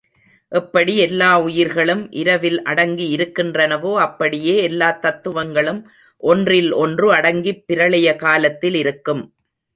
எப்படி எல்லா உயிர்களும் இரவில் அடங்கி இருக்கின்றனவோ, அப்படியே எல்லாத் தத்துவங்களும் ஒன்றில் ஒன்று அடங்கிப் பிரளயகாலத்தில் இருக்கும்.